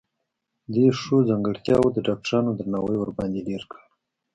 دې ښو ځانګرتياوو د ډاکټرانو درناوی ورباندې ډېر کړ.